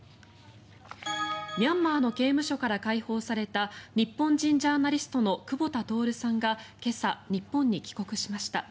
ミャンマーの刑務所から解放された日本人ジャーナリストの久保田徹さんが今朝、日本に帰国しました。